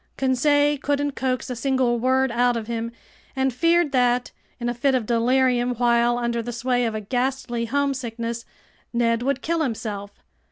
Conseil couldn't coax a single word out of him and feared that, in a fit of delirium while under the sway of a ghastly homesickness, Ned would kill himself.